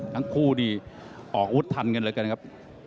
ทั้งคู่นี่ออกอุดทันกันเลยกันครับ